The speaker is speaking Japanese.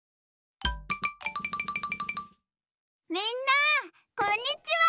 みんなこんにちは！